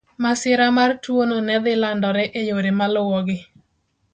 Masira mar tuwono ne dhi landore e yore maluwogi.